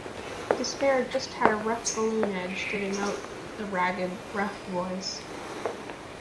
Despair just had a rough balloon edge to denote a ragged, rough voice.